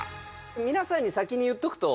皆さんに先に言っとくと。